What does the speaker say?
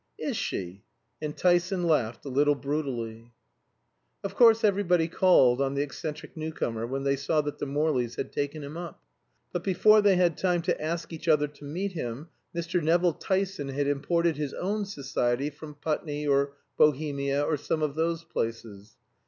"Is she?" And Tyson laughed, a little brutally. Of course everybody called on the eccentric newcomer when they saw that the Morleys had taken him up. But before they had time to ask each other to meet him, Mr. Nevill Tyson had imported his own society from Putney or Bohemia, or some of those places.